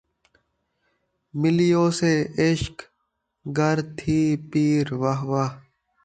ملیوسے عشق گر تھی پیر واہ واہ